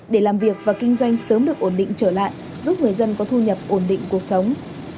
để làm việc và kinh doanh sớm được ổn định trở lại giúp người dân có thu nhập ổn định cuộc sống